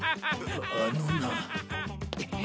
あのなぁ。